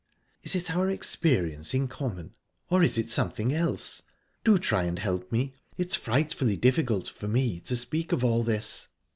"Is it our experience in common, or is it something else? Do try and help me. It's frightfully difficult for me to speak of all this."